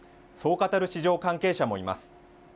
そう語る市場関係者もいます。